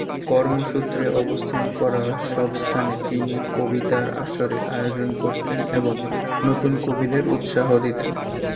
কর্মসূত্রে অবস্থান করা সব স্থানে তিনি কবিতার আসরের আয়োজন করতেন এবং নতুন কবিদের উৎসাহ দিতেন।